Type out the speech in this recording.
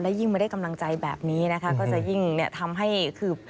ยิ่งมาได้กำลังใจแบบนี้นะคะก็จะยิ่งทำให้คือ